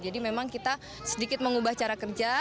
jadi memang kita sedikit mengubah cara kerja